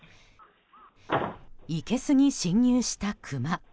いけすに侵入したクマ。